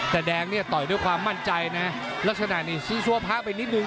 แต่แดงเนี่ยต่อยด้วยความมั่นใจนะลักษณะนี้ซื้อซัวพระไปนิดนึง